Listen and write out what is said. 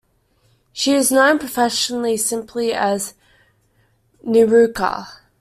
She is known professionally simply as Niurka.